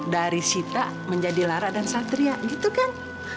dari sita menjadi lara dan satria gitu kan